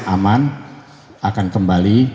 aman akan kembali